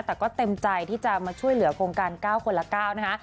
แต่ก็เต็มใจที่จะมาช่วยเหลือโครงการ๙คนละ๙นะคะ